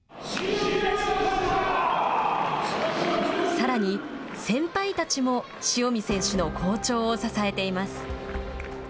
さらに先輩たちも塩見選手の好調を支えています。